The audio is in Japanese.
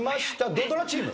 土ドラチーム！